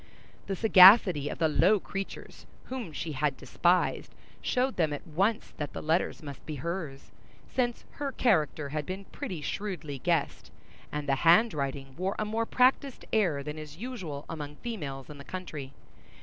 The sagacity of the low creatures whom she had despised showed them at once that the letters must be hers, since her character had been pretty shrewdly guessed, and the handwriting wore a more practised air than is usual among females in the country.